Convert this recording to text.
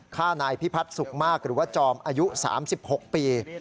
ฆ่านายพิพัฒน์สุขมากหรือว่าจอมอายุ๓๖ปี